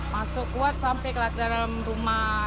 masuk kuat sampai ke dalam rumah